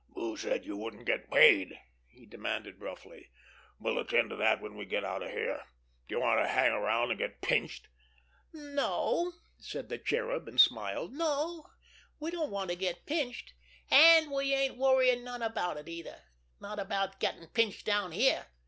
"Who said you wouldn't get paid?" he demanded roughly. "We'll attend to that when we get out of here. Do you want to hang around and get pinched?" "No," said the Cherub, and smiled. "No, we don't want to get pinched—an' we ain't worryin' none about it either, not about gettin' pinched down here.